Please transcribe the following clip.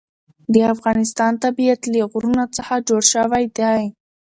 د افغانستان طبیعت له غرونه څخه جوړ شوی دی.